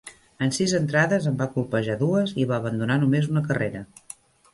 En sis entrades, en va colpejar dues i va abandonar només una carrera.